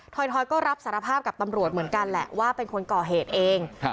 ถอยก็รับสารภาพกับตำรวจเหมือนกันแหละว่าเป็นคนก่อเหตุเอง